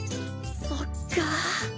そっかぁ。